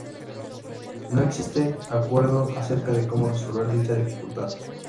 No existe acuerdo acerca de cómo resolver dicha dificultad.